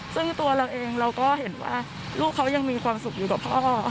ซึ่งตัวเราเองเราก็เห็นว่าลูกเขายังมีความสุขอยู่กับพ่อ